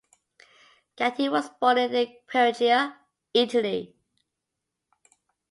Gatti was born in Perugia, Italy.